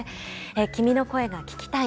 君の声が聴きたい。